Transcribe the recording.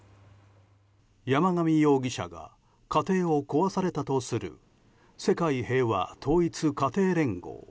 山上容疑者が家庭を壊されたとする世界平和統一家庭連合